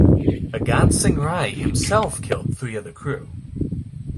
Agansing Rai himself killed three of the crew.